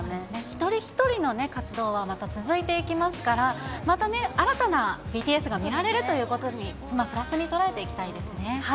一人一人の活動はまた続いていきますから、またね、新たなＢＴＳが見られるということに、プラスに捉えていきたいですね。